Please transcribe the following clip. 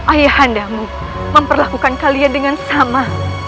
ayahandamu memperlakukan kalian dengan sama